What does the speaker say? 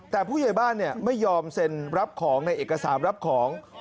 แต่ผู้ใหญ่บ้านไม่ยอมเซ็นรับของในเอกสารรับของ